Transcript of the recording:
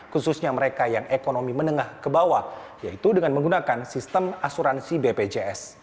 khususnya mereka yang ekonomi menengah ke bawah yaitu dengan menggunakan sistem asuransi bpjs